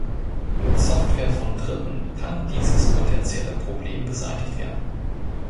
Mit Software von Dritten kann dieses potentielle Problem beseitigt werden.